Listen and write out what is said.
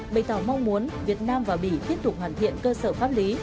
bày tỏ mong muốn việt nam và bỉ tiếp tục hoàn thiện cơ sở pháp lý